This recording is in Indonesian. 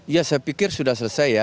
ya saya pikir sudah selesai ya